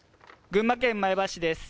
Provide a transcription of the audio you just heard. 群馬県前橋市です。